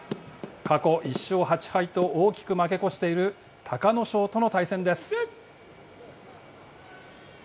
過去１勝８敗と大きく負け越している隆の勝との対戦です。